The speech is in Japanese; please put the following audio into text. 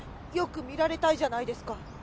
よく見られたいじゃないですか。